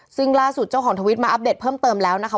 ซึ่งล่าสุดเจ้าของทวิตมาอัปเดตเพิ่มเติมแล้วนะคะ